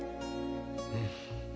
うん。